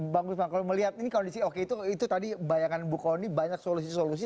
bang gusman kalau melihat ini kondisi oke itu tadi bayangan bu kony banyak solusi solusi